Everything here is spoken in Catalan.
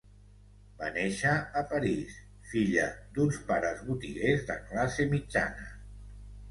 Va néixer a París, filla d'uns pares botiguers de classe mitjana.